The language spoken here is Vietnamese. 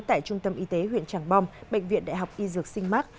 tại trung tâm y tế huyện tràng bom bệnh viện đại học y dược sinh mạc